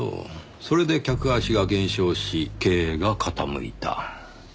それで客足が減少し経営が傾いた。